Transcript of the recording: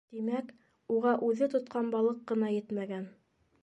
Тимәк, уға үҙе тотҡан балыҡ ҡына етмәгән.